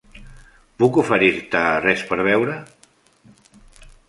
Puc oferir-te res per beure?